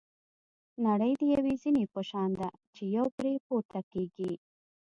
نړۍ د یوې زینې په شان ده چې یو پرې پورته کېږي.